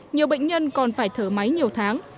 nhiều bệnh nhân còn phải thở máy nhiều tháng